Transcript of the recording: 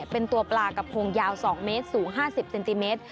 เป็นตัวปลากระโพงยาว๒เมตรสูง๕๐เซนติเมตร